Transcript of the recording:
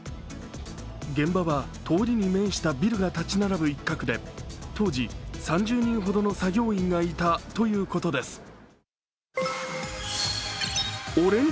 現場は、通りに面したビルが立ち並ぶ一角で当時、３０人ほどの作業員がいたということです。